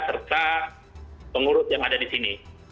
serta pengurus yang ada di sini